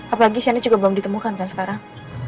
apalagi cyani juga belum ditemukan kan sekarang